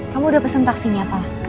kamu udah pesen taksinya pak